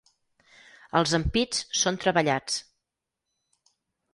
Els ampits són treballats.